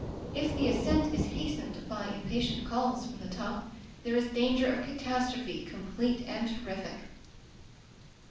If the ascent is hastened by impatient calls from the top, there is danger of catastrophe, complete and terrific.